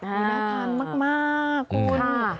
น่าทานมากคุณ